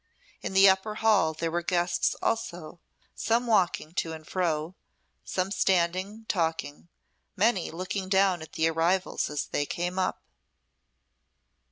In the upper hall there were guests also, some walking to and fro, some standing talking, many looking down at the arrivals as they came up.